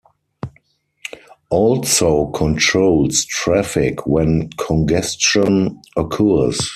Also controls traffic when congestion occurs.